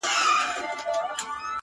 ولاړ انسان به وي ولاړ تر اخریته پوري!